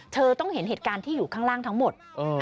เธอต้องเห็นเหตุการณ์ที่อยู่ข้างล่างทั้งหมด